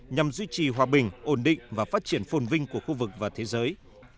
nhằm duy trì hòa bình ổn định và phát triển phồn vinh của khu vực và thế giới